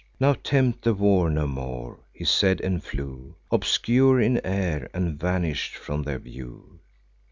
Now tempt the war no more." He said, and flew Obscure in air, and vanish'd from their view.